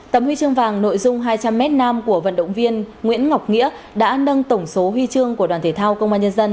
tấm huy chương vàng nội dung hai trăm linh m nam của vận động viên nguyễn ngọc nghĩa đã nâng tổng số huy chương của đoàn thể thao công an nhân dân